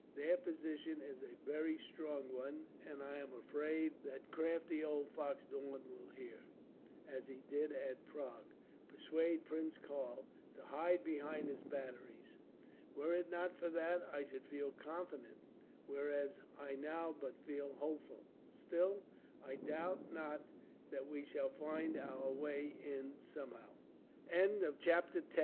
Their position is a very strong one, and I am afraid that crafty old fox Daun will here, as he did at Prague, persuade Prince Karl to hide behind his batteries. Were it not for that, I should feel confident; whereas I now but feel hopeful. Still, I doubt not that we shall find our way in, somehow." Chapter 11: Leuthen.